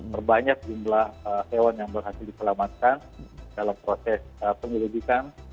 perbanyak jumlah hewan yang berhasil diselamatkan dalam proses penyelidikan